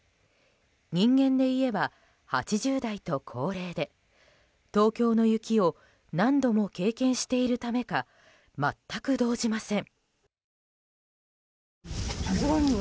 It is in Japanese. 人間でいえば８０代と高齢で東京の雪を何度も経験しているためか全く動じません。